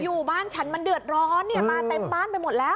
อยู่บ้านฉันมันเดือดร้อนเนี่ยมาเต็มบ้านไปหมดแล้ว